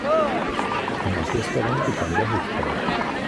Im Anschluss daran begann der Hochbau.